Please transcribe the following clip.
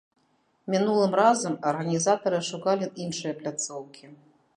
Мінулым разам арганізатары шукалі іншыя пляцоўкі.